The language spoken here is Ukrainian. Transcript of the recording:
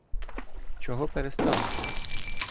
— Чого перестали?